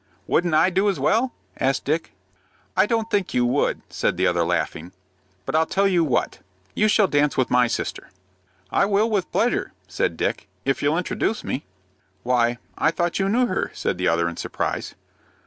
"Wouldn't I do as well?" asked Dick. "I don't think you would," said the other, laughing. "But I'll tell you what, you shall dance with my sister." "I will, with pleasure," said Dick, "if you'll introduce me." "Why, I thought you knew her," said the other, in surprise.